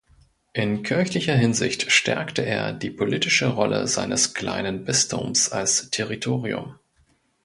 In kirchlicher Hinsicht stärkte er die politische Rolle seines kleinen Bistums als Territorium.